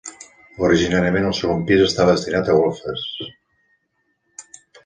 Originàriament el segon pis estava destinat a golfes.